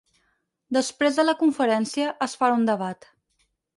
Després de la conferència, es farà un debat.